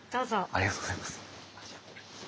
ありがとうございます。